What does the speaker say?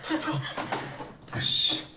よし。